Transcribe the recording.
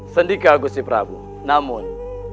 sendika agusti prabu namun